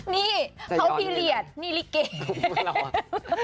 นี่เขาพิเหลียดนี่ลิเกย์